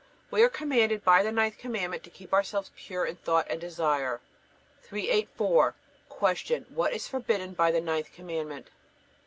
We are commanded by the ninth Commandment to keep ourselves pure in thought and desire. 384. Q. What is forbidden by the ninth Commandment?